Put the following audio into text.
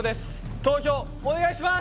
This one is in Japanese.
投票お願いします！